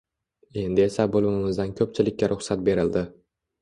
Endi esa bo`limimizdan ko`pchilikka ruxsat berildi